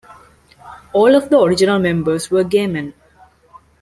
All of the original members were gay men.